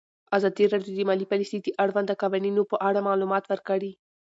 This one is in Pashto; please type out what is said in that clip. ازادي راډیو د مالي پالیسي د اړونده قوانینو په اړه معلومات ورکړي.